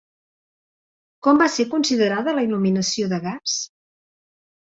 Com va ser considerada la il·luminació de gas?